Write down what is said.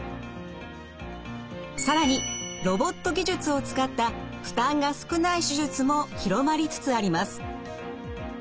更にロボット技術を使った負担が少ない手術も広まりつつあります。